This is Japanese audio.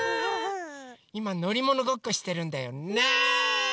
いまのりものごっこしてるんだよ。ね！